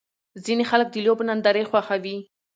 ځینې خلک د لوبو نندارې خوښوي.